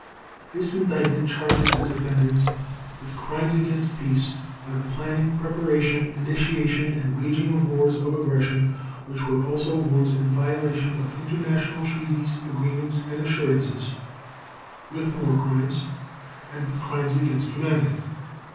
This Indictment charges the defendants with Crimes against Peace by the planning, preparation, initiation, and waging of wars of aggression, which were also wars in violation of international treaties, agreements, and assurances; with War Crimes; and with Crimes against Humanity.